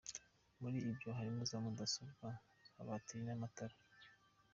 Muri byo harimo za mudasobwa, za batiri n’amatara.